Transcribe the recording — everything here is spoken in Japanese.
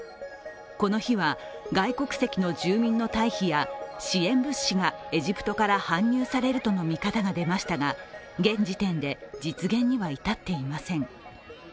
この日は外国籍の住民の退避や支援物資がエジプトから搬入されるとの見方が出ましたが、現時点で実現には至っていません。